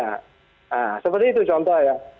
nah seperti itu contohnya